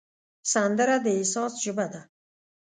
سندره د احساس ژبه ده